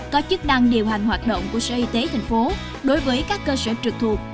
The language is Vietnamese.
có chức năng điều hành hoạt động của sở y tế thành phố đối với các cơ sở trực thuộc